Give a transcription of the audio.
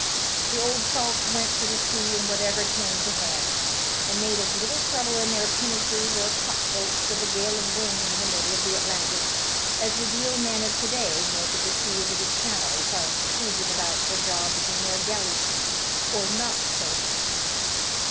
The old salts went" for the sea in whatever came to hand, and made as little trouble in their pinnaces or cock boats of a gale of wind in the middle of the Atlantic as the Deal men of to day make of the seas of the Channel whilst cruising about for jobs in their galley punts or "knock toes."